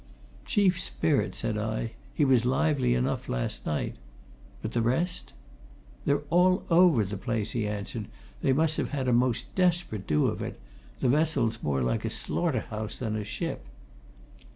"Chief spirit," said I. "He was lively enough last night. But the rest?" "They're all over the place," he answered. "They must have had a most desperate do of it. The vessel's more like a slaughter house than a ship!"